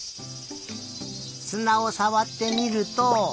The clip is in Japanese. すなをさわってみると。